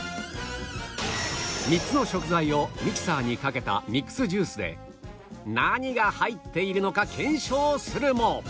３つの食材をミキサーにかけたミックスジュースで何が入っているのか検証するも